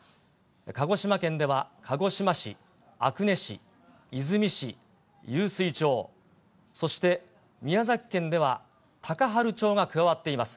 鹿児島県では、鹿児島市、阿久根市、出水市、湧水町、そして宮崎県では高原町が加わっています。